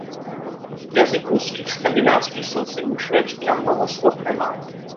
Z jazyků svých skandinávských sousedů švédština mnoho slov nemá.